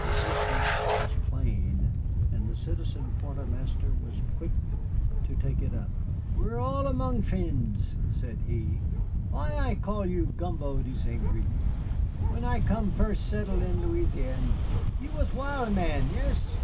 The inference was plain, and the Citizen Quartermaster was quick to take it up. "We are all among frien's," said he. "Why I call you Gumbo de St. Gré? When I come first settle in Louisiane you was wild man yes.